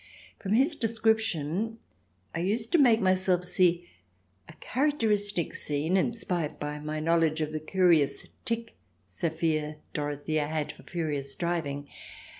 From his description I used to make myself see a characteristic scene, inspired by jny knowledge of the curious tic Sophia Dorothea had for furious driving.